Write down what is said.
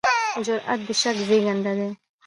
جرئت د شک زېږنده دی.